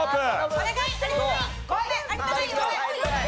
お願い！